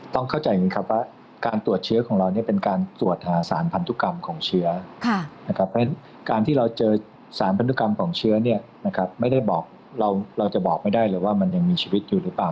ต้องเข้าใจอย่างนี้ครับว่าการตรวจเชื้อของเราเนี่ยเป็นการตรวจหาสารพันธุกรรมของเชื้อนะครับเพราะฉะนั้นการที่เราเจอสารพันธุกรรมของเชื้อเนี่ยนะครับไม่ได้บอกเราจะบอกไม่ได้เลยว่ามันยังมีชีวิตอยู่หรือเปล่า